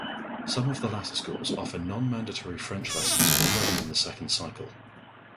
Some of the latter schools offer non-mandatory French lessons already in the second cycle.